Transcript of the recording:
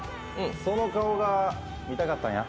その顔が見たかったんや。